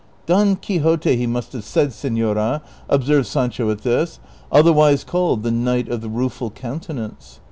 "' Don Quixote/ he must have said, senora," observed Sancho at this, " otherwise called the Knight of the Rueful Counte nance."